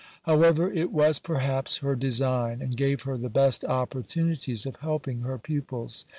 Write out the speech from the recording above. However it was perhaps her design and gave her the best opportunities of helping her pupils.